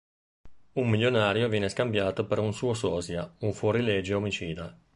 Un milionario viene scambiato per un suo sosia, un fuorilegge omicida.